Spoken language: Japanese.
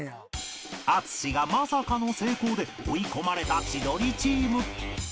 淳がまさかの成功で追い込まれた千鳥チーム